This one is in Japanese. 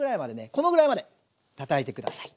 このぐらいまでたたいて下さい。